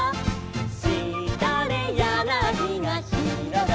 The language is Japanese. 「しだれやなぎがひろがった」